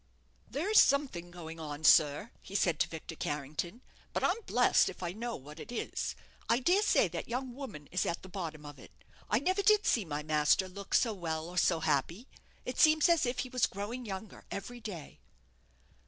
"There's something going on, sir," he said to Victor Carrington; "but I'm blest if I know what it is. I dare say that young woman is at the bottom of it. I never did see my master look so well or so happy. It seems as if he was growing younger every day."